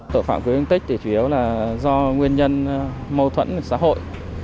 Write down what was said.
tội phạm cưới hướng tích chủ yếu là do nguyên nhân mâu thuẫn xã hội